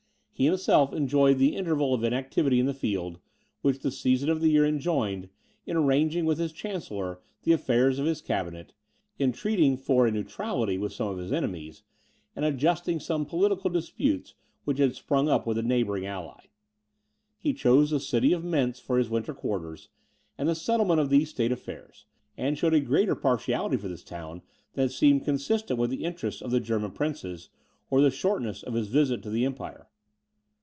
He himself employed the interval of inactivity in the field, which the season of the year enjoined, in arranging, with his chancellor, the affairs of his cabinet, in treating for a neutrality with some of his enemies, and adjusting some political disputes which had sprung up with a neighbouring ally. He chose the city of Mentz for his winter quarters, and the settlement of these state affairs, and showed a greater partiality for this town, than seemed consistent with the interests of the German princes, or the shortness of his visit to the Empire.